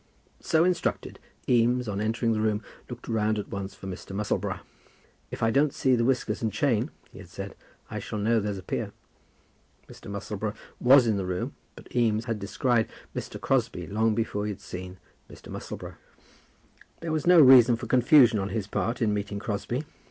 So instructed, Eames, on entering the room, looked round at once for Mr. Musselboro. "If I don't see the whiskers and chain," he had said, "I shall know there's a Peer." Mr. Musselboro was in the room, but Eames had descried Mr. Crosbie long before he had seen Mr. Musselboro. There was no reason for confusion on his part in meeting Crosbie.